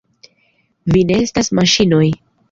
Vi ne estas maŝinoj!